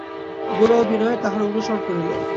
গোরা ও বিনয় তাঁহার অনুসরণ করিল।